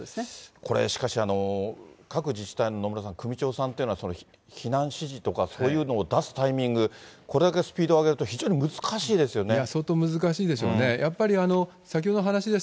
これ、しかし、各自治体の、野村さん、首長さんというのは、避難指示とか、そういうのを出すタイミング、これだけスピードを上げると非常に相当難しいでしょうね。